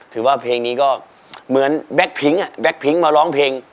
ถือว่าเพลงนี้ก็เหมือนแบ็คพิ้งอ่ะแก๊กพิ้งมาร้องเพลง